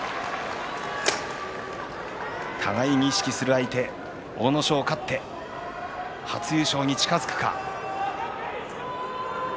互いに意識する相手阿武咲、勝って初優勝に近づけるか。